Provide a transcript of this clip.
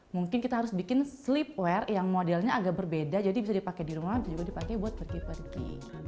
mungkin kita harus bikin sleep wear yang modelnya agak berbeda jadi bisa dipakai di rumah juga dipakai buat pergi pergi